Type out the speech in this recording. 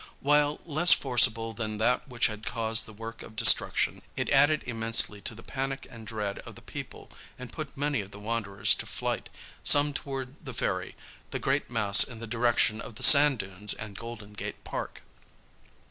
While less forcible than that which had caused the work of destruction, it added immensely to the panic and dread of the people and put many of the wanderers to flight, some toward the ferry, the great mass in the direction of the sand dunes and Golden Gate Park.